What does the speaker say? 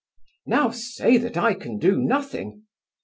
Now say that I can do nothing!